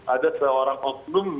ada seorang oknum